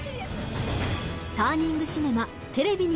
ターニングシネマ